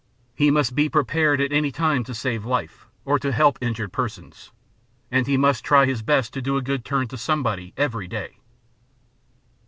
He must Be Prepared at any time to save life, or to help injured persons. And he must try his best to do a good turn to somebody every day.